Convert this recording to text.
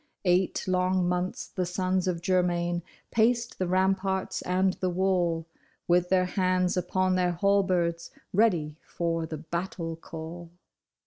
Eight long months the sons of Germain paced the ramparts and the wall, With their hands upon their halberds, ready for the battle call.